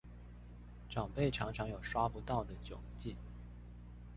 長輩常常有刷不到的窘況